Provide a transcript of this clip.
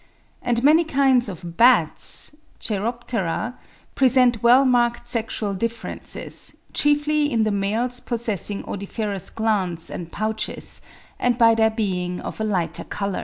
And many kinds of bats (Cheiroptera) present well marked sexual differences, chiefly in the males possessing odoriferous glands and pouches, and by their being of a lighter colour.